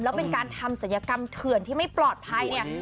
แล้วเป็นการทำศัลยกรรมเถื่อนที่ไม่ปลอดภัยเนี่ย